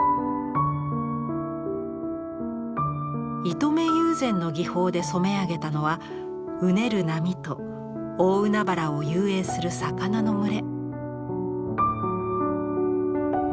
糸目友禅の技法で染め上げたのはうねる波と大海原を遊泳する魚の群れ。